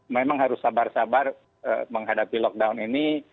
memang harus sabar sabar menghadapi lockdown ini